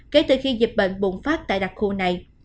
kể từ khi dịch bệnh bùng phát tại đặc khu này